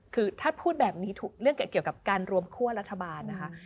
คือถ้าพูดแบบนี้ถูกเรื่องเกี่ยวกับการรวมคั่วรัฐบาลนะคะ